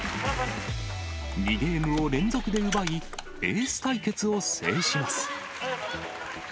２ゲームを連続で奪い、エース対決を制します。